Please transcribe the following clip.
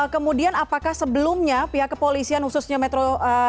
kemudian apakah sebelumnya pihak kepolisian khususnya metro jaya